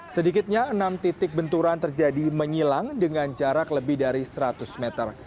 sedikitnya enam titik benturan terjadi menyilang dengan jarak lebih dari seratus meter